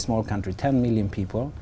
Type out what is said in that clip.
về các cộng đồng